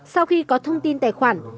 sau khi có thông tin tài khoản